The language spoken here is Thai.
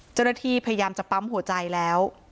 เจ้าหน้าที่พยายามจะปั๊มหัวใจแล้ว